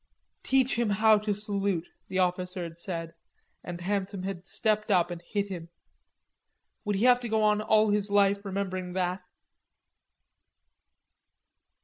"Teach him how to salute," the officer had said, and Handsome had stepped up to him and hit him. Would he have to go on all his life remembering that?